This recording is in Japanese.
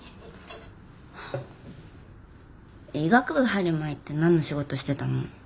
医学部入る前ってなんの仕事してたの？